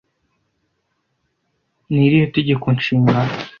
Ni irihe tegeko nshinga